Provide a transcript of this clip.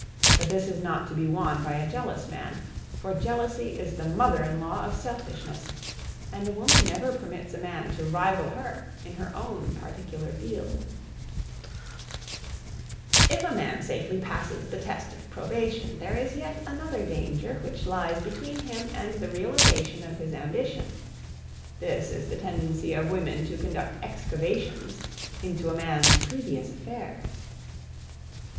But this is not to be won by a jealous man, for jealousy is the mother in law of selfishness, and a woman never permits a man to rival her in her own particular field. [Sidenote: Another Danger] If a man safely passes the test of probation, there is yet another danger which lies between him and the realisation of his ambition. This is the tendency of women to conduct excavations into a man's previous affairs.